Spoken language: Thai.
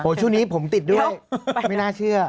ช่วงนี้ผมติดด้วยไม่น่าเชื่อ